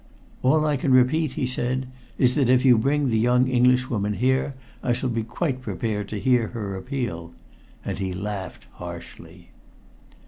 "All I can repeat," he said, "is that if you bring the young Englishwoman here I shall be quite prepared to hear her appeal." And he laughed harshly.